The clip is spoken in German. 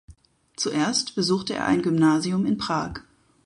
Zuerst besuchte er ein Gymnasium in Prag.